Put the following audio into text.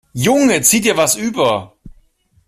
Junge, zieh dir etwas über.